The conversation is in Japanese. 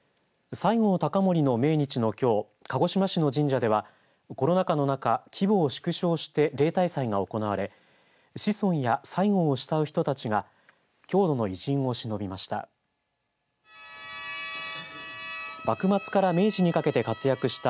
西郷隆盛の命日のきょう鹿児島市の神社ではコロナ禍の中、規模を縮小して例大祭が行われ子孫や西郷を慕う人たちが郷土の偉人をしのびました。